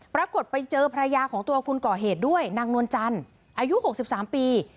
ปรากฏไปเจอภรรยาของตัวคนก่อเหตุด้วยนางนวลจันทร์อายุ๖๓ปี